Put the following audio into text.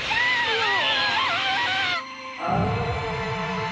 うわ！